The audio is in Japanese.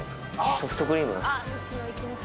ソフトクリーム？